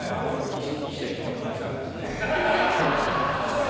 １社１問みたいなそういう話ね。